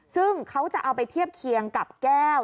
ซึ่งเขาจะเอาไปเทียบเคียงกับแก้ว